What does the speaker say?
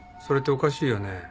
それっておかしいよね。